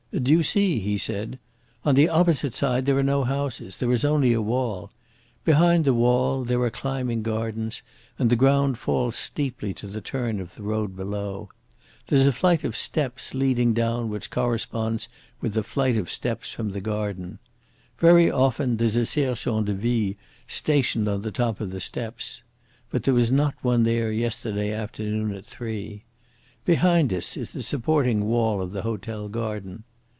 "Do you see?" he said. "On the opposite side there are no houses; there is only a wall. Behind the wall there are climbing gardens and the ground falls steeply to the turn of the road below. There's a flight of steps leading down which corresponds with the flight of steps from the garden. Very often there's a SERJENT DE VILLE stationed on the top of the steps. But there was not one there yesterday afternoon at three. Behind us is the supporting wall of the hotel garden.